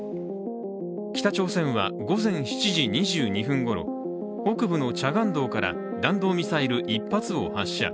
北朝鮮は午前７時２２分ごろ北部のチャガンドから弾道ミサイル１発を発射。